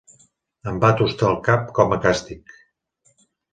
Em va tustar el cap com a càstig.